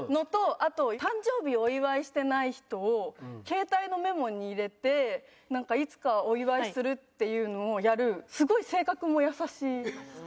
あと誕生日をお祝いしてない人を携帯のメモに入れていつかお祝いするっていうのをやるすごい性格も優しい人。